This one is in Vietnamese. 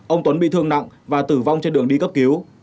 ông tuấn bị thương nặng và tử vong trên đường đi cấp cứu